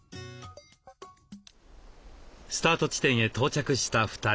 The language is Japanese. スタート地点へ到着した２人。